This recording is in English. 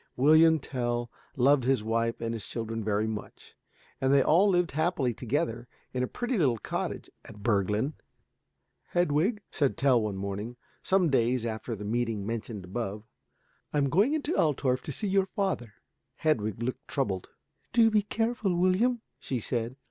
William Tell loved his wife and his children very much, and they all lived happily together in a pretty little cottage at Bürglen. "Hedwig," said Tell one morning, some days after the meeting mentioned above, "I am going into Altorf to see your father." Hedwig looked troubled. "Do be careful, William," she said.